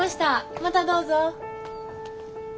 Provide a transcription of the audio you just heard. またどうぞ。